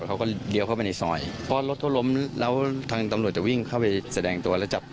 เขาก็เลี้ยวเข้าไปในซอยเพราะรถเขาล้มแล้วทางตำรวจจะวิ่งเข้าไปแสดงตัวแล้วจับ